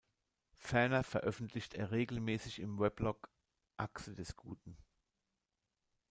Ferner veröffentlicht er regelmäßig im Weblog "Achse des Guten".